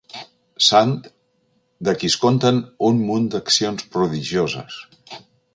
Sant de qui es conten un munt d'accions prodigioses.